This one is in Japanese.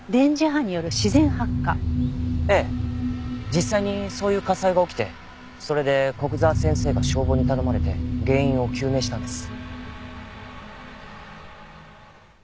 実際にそういう火災が起きてそれで古久沢先生が消防に頼まれて原因を究明したんです。